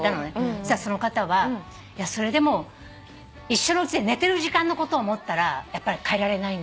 そしたらその方は「それでも一生のうちで寝てる時間のことを思ったらやっぱりかえられないんです」